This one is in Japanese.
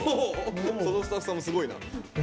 そのスタッフさんもすごいな。